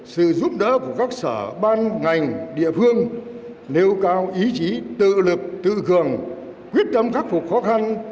sự giúp đỡ của các sở ban ngành địa phương nêu cao ý chí tự lực tự cường quyết tâm khắc phục khó khăn